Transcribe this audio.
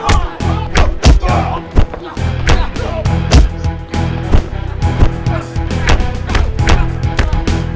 gak usah teriak teriak